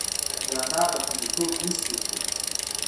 جانداد د خوندیتوب حس ورکوي.